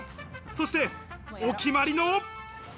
そして、お決まりの。